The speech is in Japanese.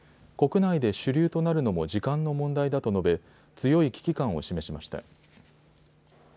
国内で主流となるのも時間の問題だと述べ強い危機感を示しました。